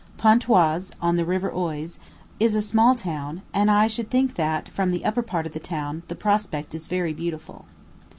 Pontoise, on the River Oise, is a small town; and I should think that, from the upper part of the town, the prospect is very beautiful.